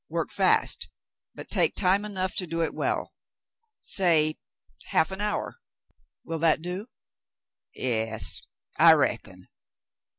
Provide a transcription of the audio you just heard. "Work fast, but take time enough to do it well. Say half an hour, — will that do .^"[ "Yas, I reckon."